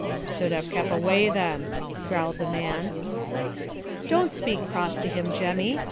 "Should have kep' away then," growled the man. "Don't speak cross to him, Jemmy.